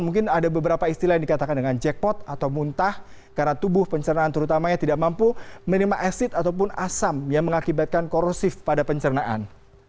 mungkin ada beberapa istilah yang dikatakan dengan jackpot atau muntah karena tubuh pencernaan terutamanya tidak mampu menerima esit ataupun asam yang mengakibatkan korosif pada pencernaan